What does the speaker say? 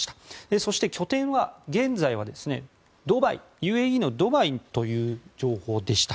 そして拠点は現在はＵＡＥのドバイという情報でした。